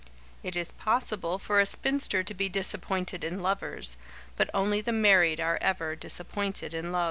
It is possible for a spinster to be disappointed in lovers, but only the married are ever disappointed in love.